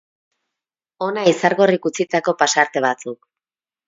Hona Izargorrik utzitako pasarte batzuk.